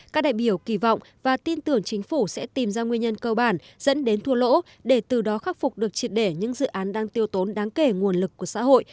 các đại biểu kỳ vọng và tin tưởng chính phủ sẽ tìm ra nguyên nhân cơ bản dẫn đến thua lỗ để từ đó khắc phục được triệt để những dự án đang tiêu tốn đáng kể nguồn lực của xã hội